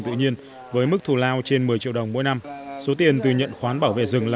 tự nhiên với mức thù lao trên một mươi triệu đồng mỗi năm số tiền từ nhận khoán bảo vệ rừng là